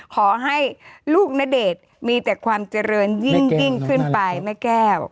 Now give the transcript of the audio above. ขอให้ลูกณเดชน์มีแต่ความเจริญยิ่งขึ้นไปแม่แก้ว